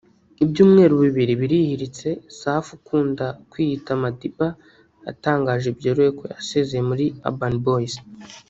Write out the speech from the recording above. Ibyumweru bibiri birihiritse Safi ukunda kwiyita Madiba atangaje byeruye ko yasezeye muri Urban Boyz